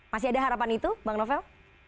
masih ada harapan itu bang novel